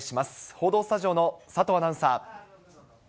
報道スタジオの佐藤アナウンサー。